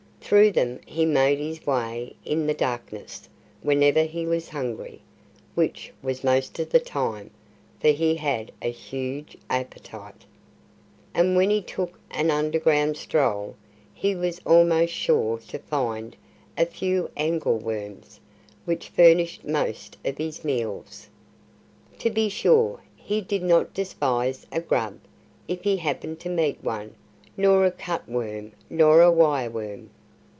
Through them he made his way in the darkness, whenever he was hungry (which was most of the time, for he had a huge appetite!). And when he took an underground stroll he was almost sure to find a few angleworms, which furnished most of his meals. To be sure, he did not despise a grub if he happened to meet one nor a cutworm nor a wire worm.